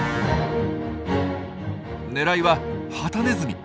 狙いはハタネズミ。